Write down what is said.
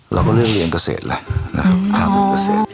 เราก็เรื่องเรียนเกษฐแล้วนะครับได้เรียนเกษฐ